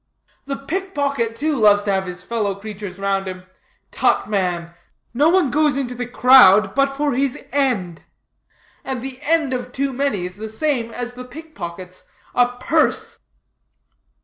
"The pick pocket, too, loves to have his fellow creatures round him. Tut, man! no one goes into the crowd but for his end; and the end of too many is the same as the pick pocket's a purse."